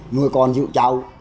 nuôi con giúp cháu